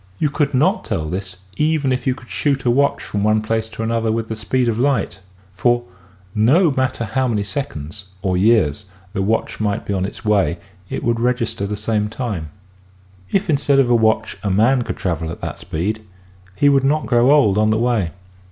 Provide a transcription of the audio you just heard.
You could not tell this even if you could shoot a watch from one place to the other with the speed of light, for nek matter how many seconds — or years — the watch might be on its way it would register the same time. If instead of a watch a man could travel at that speed he would not grow old on the way.